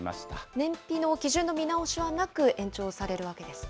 燃費の基準の見直しはなく、延長されるわけですか。